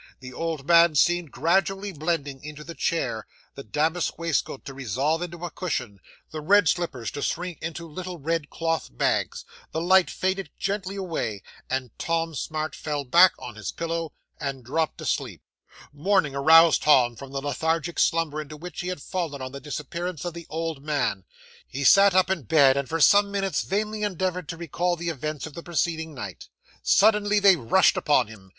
The old man seemed gradually blending into the chair, the damask waistcoat to resolve into a cushion, the red slippers to shrink into little red cloth bags. The light faded gently away, and Tom Smart fell back on his pillow, and dropped asleep. 'Morning aroused Tom from the lethargic slumber, into which he had fallen on the disappearance of the old man. He sat up in bed, and for some minutes vainly endeavoured to recall the events of the preceding night. Suddenly they rushed upon him.